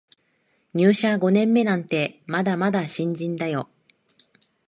入社五年目なんてまだまだ新人だよ